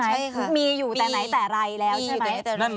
ใช่ค่ะมีอยู่แต่ไหนแต่ไรแล้วใช่ไหม